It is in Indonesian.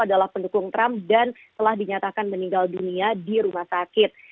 adalah pendukung trump dan telah dinyatakan meninggal dunia di rumah sakit